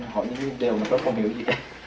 hỏi những điều nó không hiểu gì